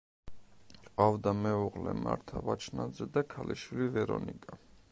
ჰყავდა მეუღლე მართა ვაჩნაძე და ქალიშვილი ვერონიკა.